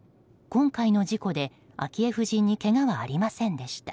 今回の事故で昭恵夫人にけがはありませんでした。